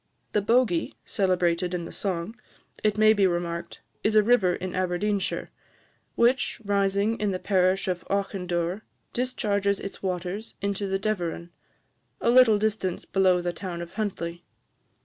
The "Bogie" celebrated in the song, it may be remarked, is a river in Aberdeenshire, which, rising in the parish of Auchindoir, discharges its waters into the Deveron, a little distance below the town of Huntly.